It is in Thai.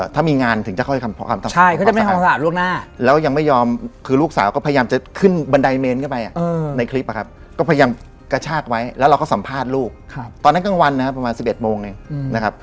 ทั้งวันนะครับประมาณ๑๑โมงนึงนะครับ